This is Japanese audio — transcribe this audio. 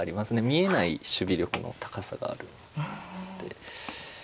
見えない守備力の高さがあるんで。